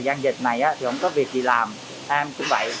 trong thời gian này thì không có việc gì làm em cũng vậy